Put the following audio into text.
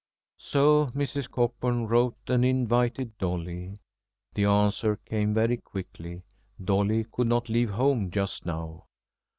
So Mrs. Cockburn wrote and invited Dolly. The answer came very quickly: Dolly could not leave home just now.